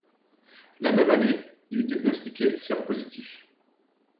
La même année, il est diagnostiqué séropositif.